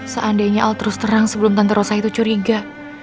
seandainya al terus terang sebelum tante rosa itu curiga